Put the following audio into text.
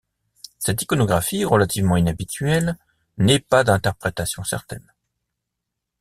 Cette iconographie, relativement inhabituelle, n'est pas d'interprétation certaine.